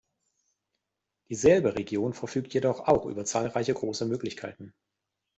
Dieselbe Region verfügt jedoch auch über zahlreiche große Möglichkeiten.